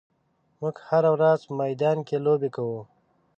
موږ هره ورځ په میدان کې لوبې کوو.